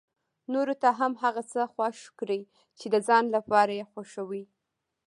نورو ته هم هغه څه خوښ کړي چې د ځان لپاره يې خوښوي.